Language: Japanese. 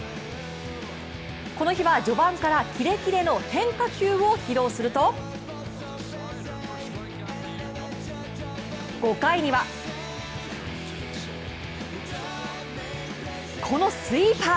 この日は序盤から、キレキレの変化球を披露すると５回には、このスイーパー。